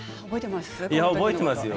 覚えていますか？